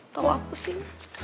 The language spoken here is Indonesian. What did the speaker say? tau aku sih